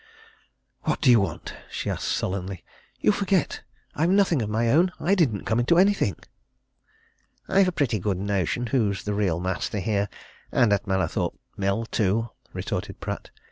"What do you want?" she asked sullenly. "You forget I've nothing of my own. I didn't come into anything." "I've a pretty good notion who's real master here and at Mallathorpe Mill, too," retorted Pratt.